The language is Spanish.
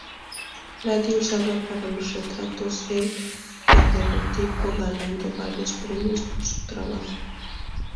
Brady usaba para los retratos el daguerrotipo, ganando varios premios por su trabajo.